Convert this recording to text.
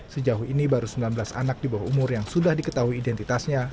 sejauh ini baru sembilan belas anak di bawah umur yang sudah diketahui identitasnya